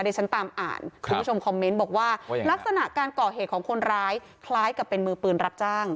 ดิฉันตามอ่านคุณผู้ชมคอมเมนต์บอกว่าลักษณะการก่อเหตุของคนร้ายคล้ายกับเป็นมือปืนรับจ้าง